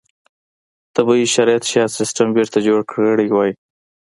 طبیعي شرایط شاید سیستم بېرته جوړ کړی وای.